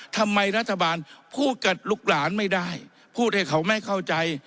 ทำไมรัฐบาลพูดกับลูกหลานไม่ได้พูดให้เขาไม่เข้าใจ